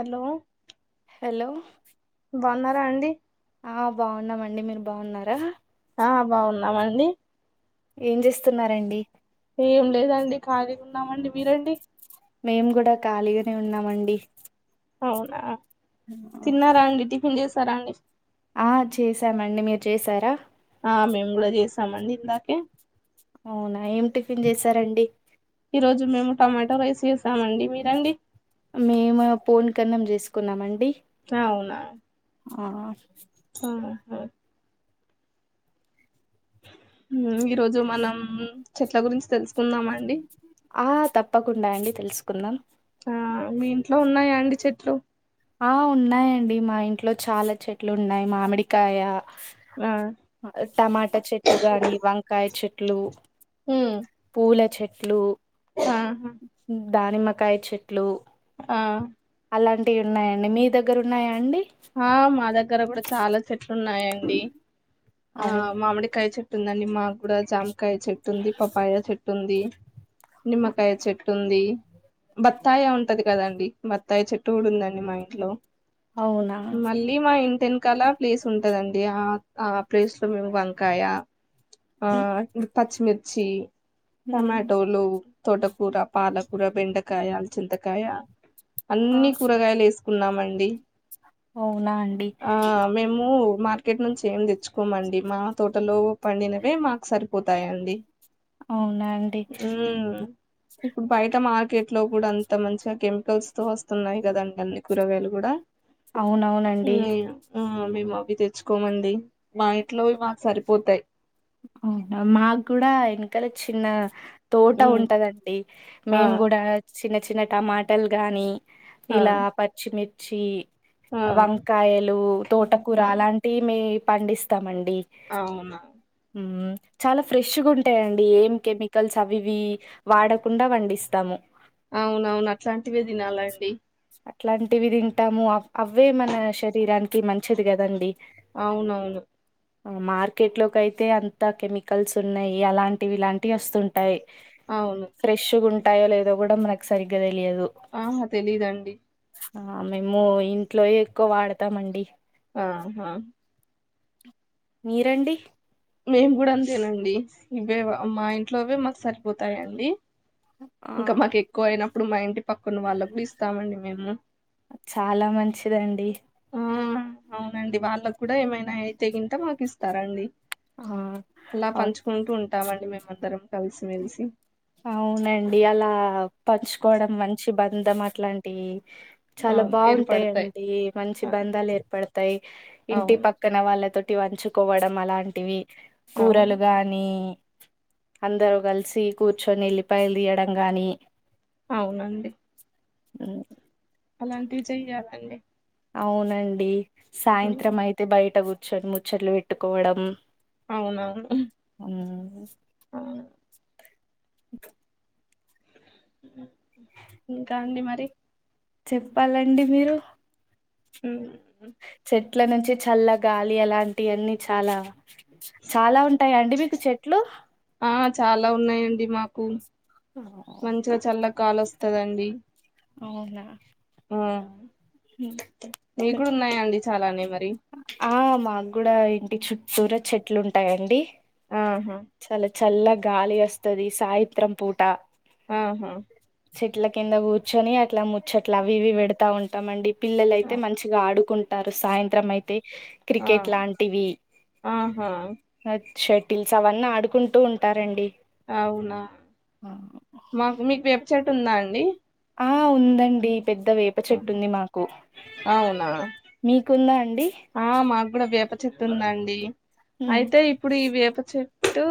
Hello hello బాగున్నారా అండి బావున్నారండి ఆ బావున్నామండి మీరు బాన్నారా ఆ బావున్నామండి ఏం చేస్ ఏం లేదండి ఖాళీగున్నామండి మీరండి మేము గూడా ఖాళీగానే ఉన్నామండి అవునా తిన్నారా అండి టిఫిన్ చేసారా అండి ఆ చేశామండి మీరు చేసారా ఆ మేము కూడా చేసామండి ఇందాకే అవునా ఏం టిఫిన్ చేసారండి ఈ రోజు మేము టొమాటో రైస్ చేసామండి మీరండి మేమ పోన్ కన్నం జేసుకున్నామండి అవునా ఆ ఆహా ఈ రోజు మనం చెట్ల గురించి తెలుసుకుందామ అండి ఆ తప్పకుండా అండి తెలుసుకుందాం ఆ మీ ఇంట్లో ఉన్నాయా అండి చెట్లు ఆ ఉన్నాయండి మా ఇంట్లో చాలా చెట్లు ఉన్నాయి మామిడికాయ ఆ టమాటా చెట్లు గాని వంకాయ చెట్లు మ్ ఉమ్ పూల చెట్లు ఆహా దానిమ్మకాయ చెట్లు ఆ అలాంటి ఉన్నాయండి మీ దగ్గర ఉన్నాయా అండి ఆ మా దగ్గర కూడా చాలా చెట్లు ఉన్నాయండి ఆ అవును మామిడికాయ చె చెట్టుందండి మాకు కూడా జామకాయ చెట్టు ఉంది పపాయ చెట్టు ఉంది నిమ్మకాయ చెట్టు ఉంది బత్తాయ ఉంటది కదండి బత్తాయ చెట్టు కూడా ఉందండి మా ఇంట్లో అవునా మళ్ళీ మా ఇంటి వెనకాల ప్లేస్ ఉంటదండి ఆ ఆ ప్లేస్ లో మేము వంకాయ ఆ ఇ పచ్చిమిర్చి ఉమ్. టమాటోలు తొటకూర పాలకూర బెండకాయ చింతకాయ ఆ అన్ని కూరగాయలు వేసుకున్నామండి అవునా అండి ఆ మేము మార్కెట్ నుంచి ఏమి తెచ్చుకోమండి మా తోటలో పండినవే మాకు సరి పోతాయండి అవు ఉమ్ ఇప్పుడు బయట మార్కెట్ లో కూడా అంత మంచిగా కెమికల్స్ తో వస్తున్నాయి కదండి అన్ని కూరగాయలు కూడా అవును అవును అండి ఉమ్ మేము అవి తెచ్చుకోమండి మా ఇంట్లోవి మాకు సరిపోతాయి అవునా మాకు కూడా వెనకాల చిన్న తోట ఉమ్ ఉంటదండి ఆ మేము కూడా చిన్న చిన్న టమాటాలు గాని ఆ ఇలా పచ్చిమిర్చి ఆ వంకాయలు తోటకూర ఆ అలాంటి టీవీ పండిస్తామండి అవునా చాలా ఫ్రెష్ గా ఉంటాయండి ఏం కెమికల్స్ అవివి వాడకుండా వండిస్తాము అవునవును అట్లాంటివే తినాలండి అట్లాంటివి తింటాము అవే మన శరీరానికి మంచిది కదండి అవునవును మార్కెట్ లోకి అయితే అంతా కెమికల్స్ ఉన్నావి అలాంటివి ఇలాంటివి వస్తుం టాయి అవును ఫ్రెష్ గా ఉంటాయో లేదో కూడా మనకు సరిగ్గా తెలియదు ఆహా తెలీదండి ఆ మేము ఇంట్లోవే ఎక్కువ వాడతామండి ఆహా మీరండి మేము కూడా అంతేనండి ఇవే మా ఇంట్లోవే మాకు సరిపోతాయండి ఆ! ఇంకా మాకు ఎక్కువ అయినప్పుడు మా ఇంటి పక్కన వాళ్ళ కూడా ఇస్తామండి మేము చాలా మంచిదండి ఆ అవునండి వాళ్ళకు కూడా ఏమైనా అయితేగింటే మాకు ఇస్తారండి ఆ అలా అవ్ పంచుకుంటూ ఉంటామండి మేమందరం కలిసిమెలిసి అవునండి అలా పంచుకోవడం మంచి బంధం అట్లాంటి చాలా అవును ఏర్పడతాయి బాగుంటాయిండి మంచి ఆ, బంధాలు ఏర్పడతాయి ఇంటి పక్క అవును పక్కన వాళ్ళతోటి వంచుకోవడం అలాంటివి అవును కూరలుగా ని అందరూ కలిసి కూర్చొని ఉల్లిపాయలు తీయడం కానీ అవునండి ఉ అలాంటివి చెయ్యాలండి అవునండి ఉమ్, సాయంత్రం అయితే బయట కూర్చొని ముచ్చట్లు పెట్టుకోవడం అవునవును ఊ ఆ ఇంక ఇంకా అండి మరి చెప్పాలండి మీరు ఉ చెట్ల నుంచి చల్ల గాలి అలాంటివన్నీ చాలా చాలా ఉంటాయి అండి మీకు చెట్లు ఆ చాలా ఉన్నాయండి మాకు ఓ, మంచిగా చల్ల గాలి వస్తుందండి అవునా ఆ మీ కూడా ఉన్నాయండి చాలానే మరి ఆ మాకు కూడా ఇంటి చుట్టూర చెట్లు ఉంటాయండి ఆహా చాలా చల్ల గాలి వస్తది సాయత్రం పూట ఆహా చెట్ల కింద కూర్చొని అట్లా ముచ్చట్లవి ఇవి పెడతా ఉంటామండి పిల్లలయితే ఆ మంచిగా ఆడుకుంటారు సాయంత్రం అయితే ఆ, క్రికెట్ లాంటివి ఆహా అచ్ షటిల్స్ అవన్నీ ఆడుకుంటూ ఉంటారండి అవునా మాకు మీకు వేప చెట్టు ఉందా అండి ఆ ఉందండి పెద్ద వేపు ప్ప చెట్టు ఆహా. ఉంది మాకు అవునా మీకుందా అండి ఆ మాకు కూడా వేప చెటుందండి ఉమ్. అయితే ఇప్పుడు ఈ వేప చెట్ టు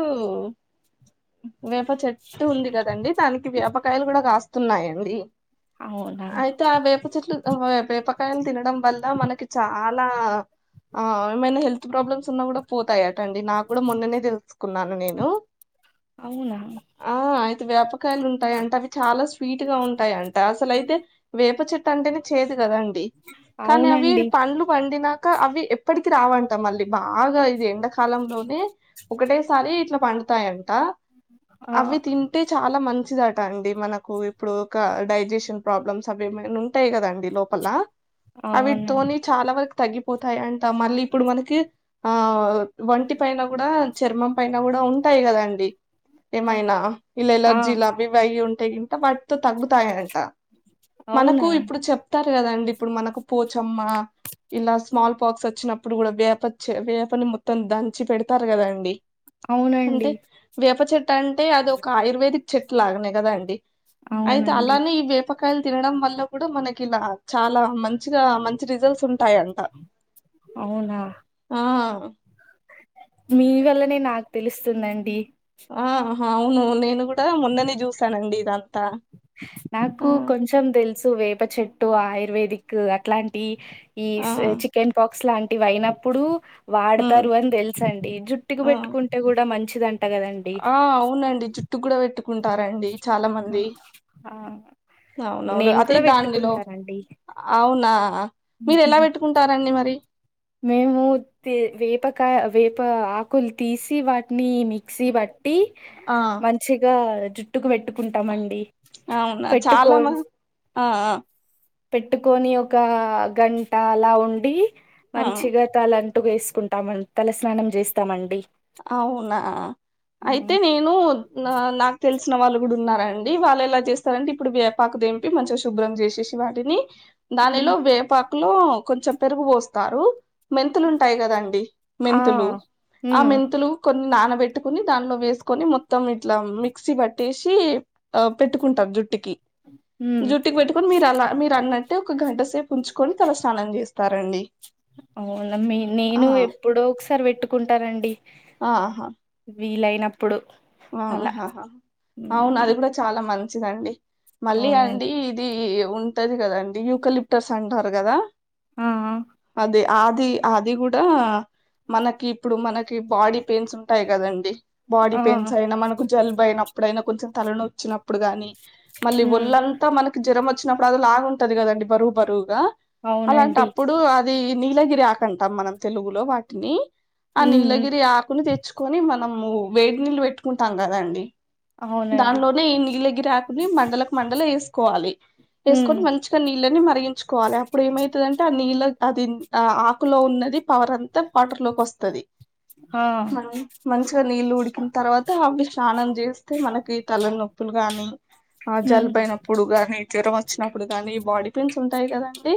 వేప చెట్టు ఉంది కదండి దానికి వేపకాయలు కూడా కాస్ తున్నాయండి అవునా అయితే అ వేప్ ప చెట్లు ఆ వేపకాయలు తినడం వల్ల మనకి చాలా ఆ ఏమైనా హెల్త్ ప్రాబ్లమ్స్ ఉన్నా కూడా పోతాయాట అండి నాకు కూడా మొన్ననే తెలుసుకున్నాను నేను అవునా ఆ అయితే వేపకాయలు ఉంటాయంట అవి చాలా స్వీట్ గా ఉంటాయింట అసలయితే వేప చెట్టు అంటేనే చేదు కదండి కానీ అవి అవునండి పండ్లు వండినాక అవి ఎప్పటికి రావంట మళ్ళీ బాగా ఇది ఎండ కాలంలోనే ఒకటేసారి ఇట్లా పండుతాయంట ఆ అవి తిన్ అంటే చాలా మంచిదట అండి మనకు ఇప్పుడు ఒక డైజెషన్ ప్రాబ్లమ్స్ అవి ఏమైన ఉం ఉంటాయి కదాండి లోపల అవునండి అవిటితోని చాలా వరకు తగ్గిపోతాయి అంట మళ్ళీ ఇప్పుడు మనకి ఆ వంటి పైన కూడా చర్మం పైన కూడా ఉంటాయి కదండి ఏమైనా ఇలా ఆ ఎలర్జీలవి ఇవి అయి ఉంటే గింట వాటితో తగ్గుతాయంట మనకు అవునా ఇప్పుడు చెప్తారు కదండి ఇప్పుడు మనకు పోచమ్మ ఇలా స్మాల్ పాక్స్ వచ్చినప్పుడు కూడా వేప వేపని మొత్తం దంచి పెడతారు కదాండి అవునండి వేప చెట్టు అంటే అది ఒక ఆయుర్వేదిక్ చెట్టు లాగానే కదా అండి అయితే అవునండి అలానే ఈ వేప కాయలు తినడం వల్ల కూడా మనకి ఇలా చాలా మంచిగా మంచి రిజల్ట్స్ ఉంటాయంట అవునా ఆ మీ వల్లనే నాకు తెలుస్తుందండి ఆ హా అవును నేను గుడా మొన్ననే జుసానండి ఇదంతా ఆ నాకు కొంచ్ తెల్సు వేప చెట్టు ఆయుర్వేదిక్ అట్లాంటి ఈ ఆ కెన్ పాక్స్ లాంటివి అయినప్పుడూ ఉమ్ వాడ్తారు అన్ దిల్సండి జుట్టుకు ఆ బెట్టుకుంట టే గుడా మంచిదంట గాదన్ ఆ అవునండి జుట్టుక్ గూడా వేట్టుకుంటారండి చాలా మంది ఆ అవునవును నేను అది కూడా దాందిలో పెట్టుకుంటానండి అవునా మీరు ఎలా వేట్ కుంటారండి మరి మేము వేపకాయ వేప ఆకులు తీసి వాట్ని మిక్సీ బట్టి ఆ మంచిగా ట్టుకు వేట్టుకుంటామండి అవునా పెట్టుకో చాలా మ ఆ ఆ పెట్టుకొని ఒకా గంట అలా ఉండి ఆ! మంచిగా తలంటు ఎస్కుంటా తమ తల స్నానం జేస్తామండి అవునా అయితే నేను నాకు తెల్సిన వాళ్ళు గూడా ఉన్నార డి వాళ్ళు ఎలా చేస్తారంటే ఇప్పుడు వేపాకు దేంపి మంచిగా శుభ్రం జేషెసి వాటిని దానిలో వేపాకు లో కొంచం పెరుగు కోస్తారు మెంతులు ఉంటాయి గదండి ఆ మెంతులు ఆ హ్మ్ మెంతులు కొన్ని నానబెట్టుకుని దాన్లో వేస్కొని మొత్తం ఇట్లా మిక్సీ బట్టేషి ఆ పెట్టుకుంటాం జుట్టుకి హ్మ్ జుట్టుకి వేట్టు ఇప్పుడు మీరు అలా మీరు అన్నట్టే ఒక గంట సేపు ఉంచుకొని తల స్నానం జేస్తారండి. అవున మె నేను ఎప్పుడో ఒక్సారి వేట్టుకుంటానండి ఆహా వీలైనప్పుడు అలా ఆహాహా అవును అది హ్మ్ గూడా చాలా మంచిదండి మళ్ళీ అవునండి. అండి ఇది ఉంటది గదాండి యూకలిప్టర్స్ అంటారు గదా ఆ అదే ఆది అది గూడా మనకి ఇప్పుడు మనకి బాడీ పెయిన్స్ ఉంటాయి గదండి ఆ పెన్స్ ఆ! అయినా మనకు జలుబు అయినప్పుడైన కొంచం తలనచినప్పుడు గాని మళ్లీ హ్మ్ ఒళ్లం తో మనకి జరం అచ్చినప్పుడు అదోలాగుంటది గదండి బరువు బరువుగా అలాంటి అవునండి. అప్పుడు అది నీలగిరి ఆకు అంటాం మనం తెలుగులో వాటినీ ఆ హ్మ్ హ్మ్. నీలగిరి ఆకుని తెచ్చు కని మనము వేడ్ నీళ్లు వేట్టుకుంటాం గదండి అవునండి. దాన్లోనే ఈనీళ్ళగిరి ఆకుని మండలకు మండలు ఎస్కోవాలి హ్మ్ ఎస్కొని మంచిగా నీళ్ళని మరిగించుకోవాలే అప్పుడు ఏమైతుందంటే ఆ నీళ్ళ అది ఆకు లో ఉన్నది పవర్ అంతా వాటర్లోకి ఒస్తుంది ఆ మంచు మంచిగా నీళ్ళు ఉడికిన్ తర్వాత హాపీ స్నానం జేసి తే మనకి తల నొప్పులు గానీ ఆ హ్మ్ జలుబైనప్పుడు గానీ జ్వరం ఒచ్చినప్పుడు గాని బాడీ పెయిన్స్ ఉంటాయి గదండి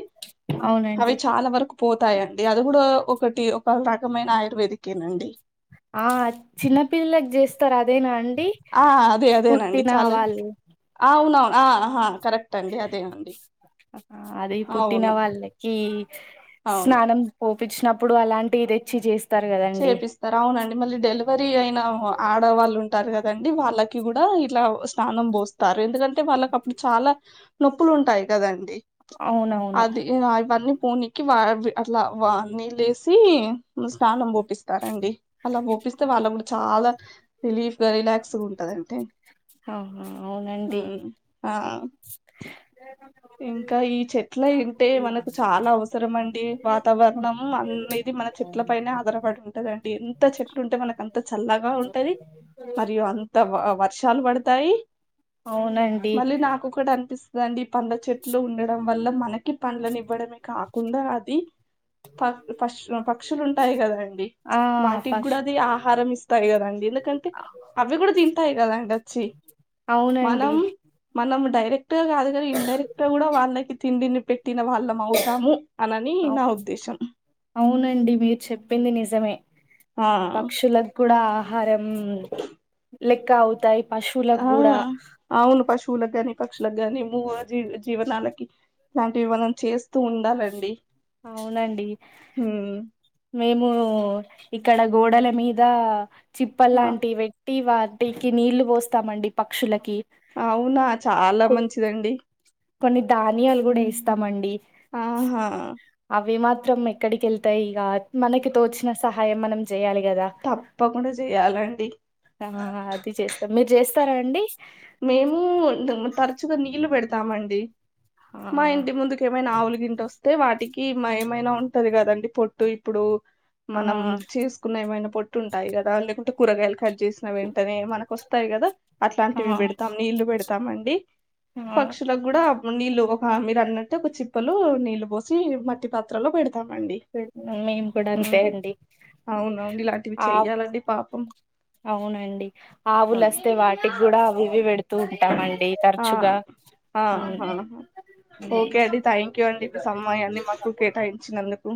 అవునం అవి చాలా వరకు పోతాయండి అది గూడా ఒకటి ఒక రకమైన ఆయుర్వేదిక్కెనండి. ఆ చిన్నపిల్లకు జేస్తారు అదేనా అండి ఆ ఆ అదే అదేనండి పుట్టిన చాలా వాళ్ళు ఆ అవును ఆ హ ఆ కరెక్ట్ అండి అదే అండి అది పుట్టిన వాళ్ళ కి అవును స్నానం పోపించినప్పుడు అలాంటి తెచ్చి చేస్ చేపిస్ అవునండి మళ్ళీ డెలివరీ అయిన ఆడవాళ్ళు ఉంటారు కదండి వాళ్ళకి కూడా ఇట్లా స్నానం పోస్ తారు ఎందుకంటే వాళ్ళకి అప్పుడు చాలా నొప్పులు ఉంటాయి కదండి అవునవును అది ఇలా ఇవన్నీ పోనికి వా అట్లా వా నీ లేసి తానం పోపిస్తారండి అలా పోపిస్తే వాళ్ళ కూడా చాలా రిలీఫ్ గా రిలాక్స్ గా ఉంటదంటే ఆ అవునండి ఆ ఇంకా ఈ చెట్ల ఏంటే మనకు చాలా అవసరం అండి వాతావరణం అనేది మన చె చెట్ల పైనే ఆధారపడి ఉంటదండి ఎంత చెట్లు ఉంటే మనకు అంత చల్లగా ఉంటది ఉ తా ఆ వర్షాలు పడతాయి అవునండి మళ్ళీ నాకొకటి అనిపిస్తాదండి పండ్ల చెట్లు ఉండడం వల్ల మనకి పండ్లని ఇవ్వడమే కాకుండా అది ప పశ్ లో పక్షులు ఉంటాయి కదండి ఆ వాటికి కూడా పష్ అది ఆహారం ఇస్తాయి కదండి ఎందుకంటే అవి కూడా తింటాయి కదండి వచ్చి అవునండి మనం మనం డైరెక్ట్ గా కాదు ఇన్ డైరెక్ట్ గా కూడా వాళ్ళకి తిండిని పెట్టిన వాళ్ళం అవుతాము అనని అవు నా ఉద్దేశం అవునండి మీరు చెప్పింది నిజమే ఆ పక్షులకు కూడా ఆహారం లెక్క అవుతాయి పశువులకు కూడా ఆవును పశువులగాని పక్షులకు గాని మూగ జీవ జీవనాలకి ఇలాంటివి మనం చేస్తూ ఉండాలండి అవునండి హ్మ్ మేము ఇక్కడ గోడల మీద ఆ! చిప్పల్ లాంటివి పె టి వాటికి నీళ్లు పోస్తామండి పక్షులకి అవునా చాలా కు మంచిదండి కొన్ని ధాన్యాలు కూడా ఏస్తామండి ఆహా అవి మాత్రం ఎక్కడికి వెళ్తాయి ఇక మనకి తోచిన సహాయం మనం చేయాలి కదా తప్పకుండా చేయాలండి ఆ అది చేస్తాం మీరు చేస్తారా అండి మేము తరచుగా నీళ్లు పెడతామండి ఆ మా ఇంటి ముందుకి ఏమైనా ఆవులు గింట వస్తే వాటికి ఏమైనా ఉంటది కదండి పొట్టు ఇప్పుడు ఆ మనం చేసుకున్న ఏమైనా పొట్టు ఉంటాయి కదా లేకుంటే కూరగాయలు కట్ చేసిన వెంటనే మనకు వస్ తాయి కదా ఆ అట్లాంటివి పెడతాం నీళ్లు పెడతాంండి ఆ పక్షులకు కూడా నీళ్ళు ఒక మీరు అన్నట్టు ఒక చిప్పలు నీళ్ళు పోసి మట్టి పాత్రలో పెడతామండి మేము కూడా అంతే హ్మ్ అండి అవునవును ఇలాంటివి ఆ చెయ్యాలండి పాపం అవునండి ఆ ఆవులు వస్తే వా టికి కూడా అవి ఇవి పెడుతూ ఉంటామండి తరుచుగా అవును అవును ఓకే అండి థ్యాంక్ యూ అండి సం మయం మాకు కేటాయించినందుకు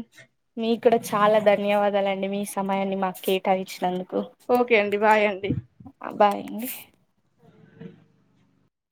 మీకూడా చాలా ధన్యవాదాలండి మీ సమయాన్ని మాకు కేటాయించినందుకు ఓకే అండి బాయ్ అండి బాయ్ అండి ఉ